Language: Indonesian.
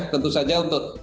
tentu saja untuk